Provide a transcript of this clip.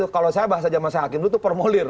kalau saya bahas aja masa hakim itu permulir